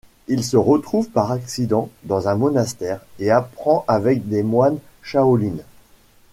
Il se retrouve par accident dans un monastère et apprend avec des moines shaolins.